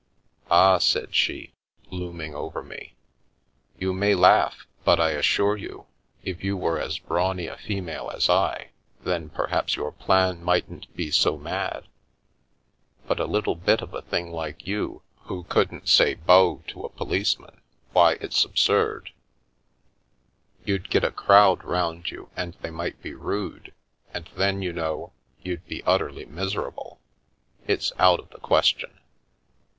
"Ah," said she, looming over me, "you may laugh, but I assure you, if you were as brawny a female as I, then perhaps your plan mightn't be so mad. But a little bit of a thing like you who couldn't say ' bo ' to a police man — why, it's absurd. You'd get a crowd round you and they might be rude, and then you know, you'd be utterly miserable. It's out of the question."